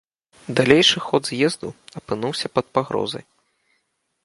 Далейшы ход з'езду апынуўся пад пагрозай.